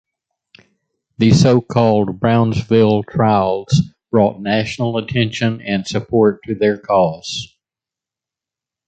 The so-called Brownsville trials brought national attention and support to their cause.